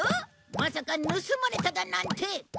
まさか盗まれただなんて！